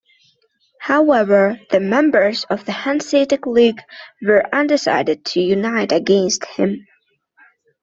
However, the members of the Hanseatic league were undecided to unite against him.